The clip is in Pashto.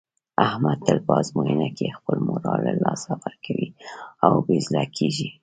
احمد تل په ازموینه کې خپل مورال له لاسه ورکوي او بې زړه کېږي.